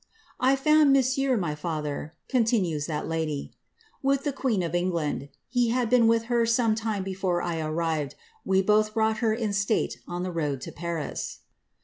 ^ I found Monsieur, my father,^' continued that lady, ^ with tl queen of England ; he had been with her some time before 1 arrivei we both brought her in state on the road to Paris."